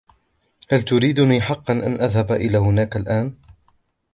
هل تريدني حقاً أن أذهب إلى هناك الأن؟